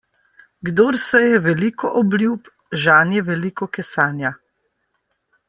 Kdor seje veliko obljub, žanje veliko kesanja.